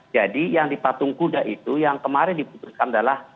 jadi yang dipatung kuda itu yang kemarin diputuskan adalah